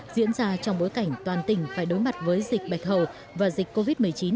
diễn ra trong bối cảnh toàn tỉnh phải đối mặt với dịch bạch hầu và dịch covid một mươi chín